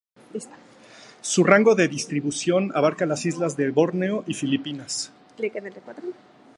Su rango de distribución abarca las islas de Borneo y Filipinas.